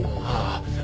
ああ。